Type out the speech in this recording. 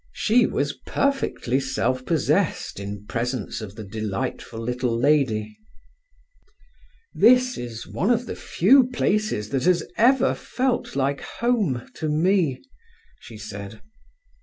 She was perfectly self possessed in presence of the delightful little lady. "This is one of the few places that has ever felt like home to me," she said.